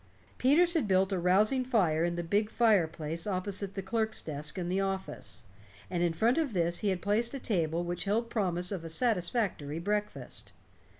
Peters had built a rousing fire in the big fireplace opposite the clerk's desk in the office, and in front of this he had placed a table which held promise of a satisfactory breakfast.